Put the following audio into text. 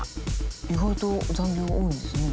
意外と残業多いんですね。